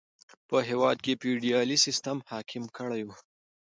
په هېواد کې فیوډالي سیستم حاکم کړی و.